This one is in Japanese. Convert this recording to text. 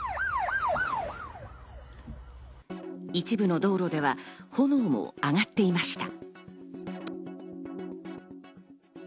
一部の道路では炎も上がっていました。